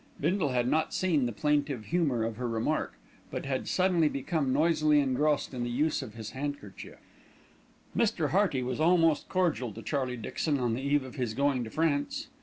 Bindle had not seen the plaintive humour of her remark; but had suddenly become noisily engrossed in the use of his handkerchief. Mr. Hearty was almost cordial to Charlie Dixon on the eve of his going to France.